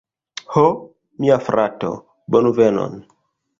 Ho, mia frato, bonvenon